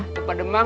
itu pak demang